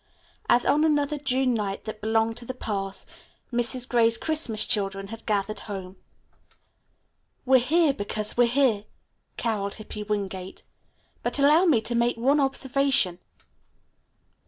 As on another June night that belonged to the past, Mrs. Gray's Christmas children had gathered home. "We're here because we're here," caroled Hippy Wingate. "But allow me to make one observation."